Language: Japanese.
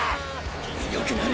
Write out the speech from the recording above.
強くなる！